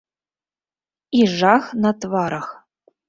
І жах на тварах.